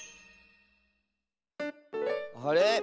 あれ？